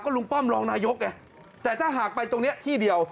ลุงป้อมรองนายกไงแต่ถ้าหากไปตรงนี้ที่เดียว